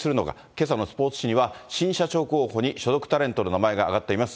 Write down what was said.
けさのスポーツ紙には、新社長候補に所属タレントの名前が挙がっています。